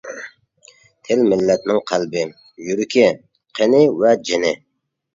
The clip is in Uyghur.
تىل-مىللەتنىڭ قەلبى، يۈرىكى، قېنى ۋە جېنى.